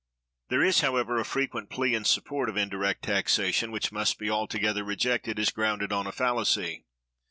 There is, however, a frequent plea in support of indirect taxation, which must be altogether rejected as grounded on a fallacy.